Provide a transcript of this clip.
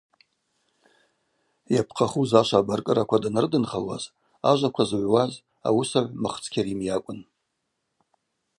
Йапхъахуз ашва абаркӏыраква данрыдынхалуаз ажваква зыгӏвуаз ауысагӏв Мыхц Кьарим йакӏвын.